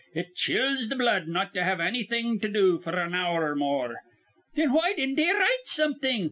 It chills th' blood not to have annything to do f'r an hour or more." "Thin why don't he write something?"